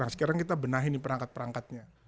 sekarang kita benahi nih perangkat perangkatnya